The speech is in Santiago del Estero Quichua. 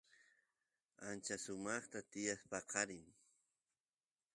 ancha sumaqta tiyan paqarin